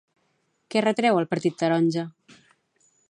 Què retreu al partit taronja?